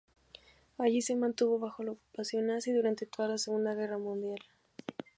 Allí se mantuvo bajo la ocupación nazi durante toda la Segunda Guerra Mundial.